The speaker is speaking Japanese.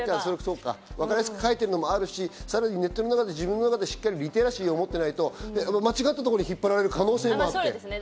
わかりやすく書いてあるのもあるし、ネットの中で自分でリテラシーを持ってないと、間違ったところに引っ張られる可能性もあるからね。